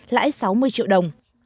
lãi sáu mươi triệu đồng